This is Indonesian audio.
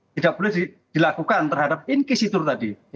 tidak boleh dilakukan terhadap inquisitor tadi